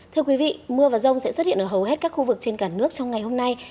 thưa quý vị mưa và rông sẽ xuất hiện ở hầu hết các khu vực trên cả nước trong ngày hôm nay